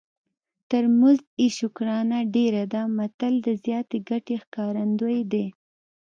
تر مزد یې شکرانه ډېره ده متل د زیاتې ګټې ښکارندوی دی